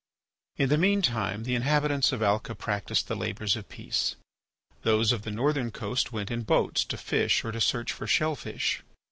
pp. 404, 405 In the meantime the inhabitants of Alca practised the labours of peace. Those of the northern coast went in boats to fish or to search for shell fish.